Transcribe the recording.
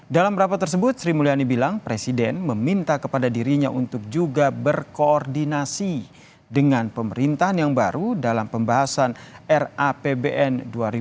dalam rapat tersebut sri mulyani bilang presiden meminta kepada dirinya untuk juga berkoordinasi dengan pemerintahan yang baru dalam pembahasan rapbn dua ribu dua puluh